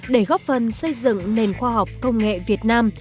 để góp phần xây dựng nền khoa học công nghệ việt nam